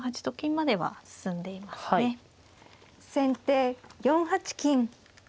先手４八金。